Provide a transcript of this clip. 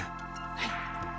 はい。